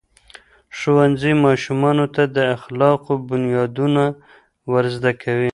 ښوونځی ماشومانو ته د اخلاقو بنیادونه ورزده کوي.